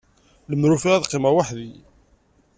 Lemmer ufiɣ ad qqimeɣ weḥd-i.